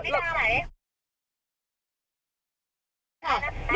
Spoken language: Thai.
เราตามเลย